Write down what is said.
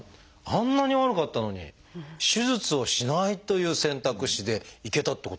あんなに悪かったのに手術をしないという選択肢でいけたってことなんですか？